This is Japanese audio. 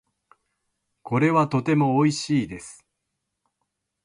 これはとても美味しいです。